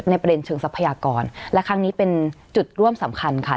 ประเด็นเชิงทรัพยากรและครั้งนี้เป็นจุดร่วมสำคัญค่ะ